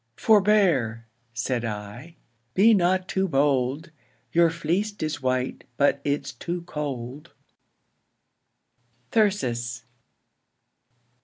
Forbear (said I) be not too bold, Your fleect is white, but 'tis too cold. Thyrsis.